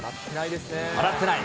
笑ってない。